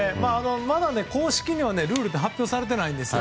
まだ、公式にはルールって発表されていないんですよ。